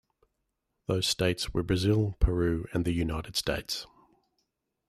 Those states were Brazil, Peru and the United States.